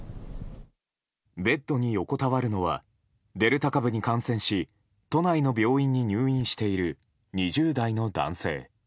ベッドに横たわるのはデルタ株に感染し都内の病院に入院している２０代の男性。